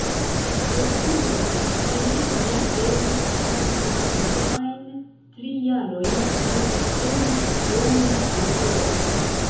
Resume ili ne devis pagi la unuajn tri jarojn kaj ricevis domon kaj teron.